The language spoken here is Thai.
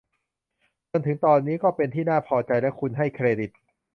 จนถึงตอนนี้ก็เป็นที่น่าพอใจและคุณให้เครดิต